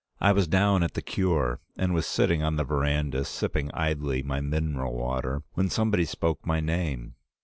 I was down at the Cure, and was sitting on the veranda sipping idly my mineral water, when somebody spoke my name.